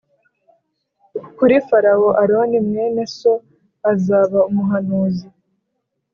kuri Farawo Aroni mwene so azaba umuhanuzi